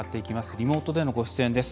リモートでのご出演です。